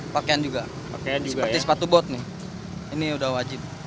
pakaian juga seperti sepatu bot nih ini udah wajib